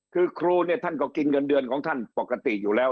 คือครูเนี่ยท่านก็กินเงินเดือนของท่านปกติอยู่แล้ว